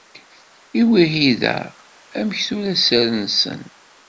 I wihida amek tura sser-nsen.